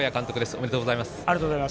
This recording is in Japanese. ありがとうございます。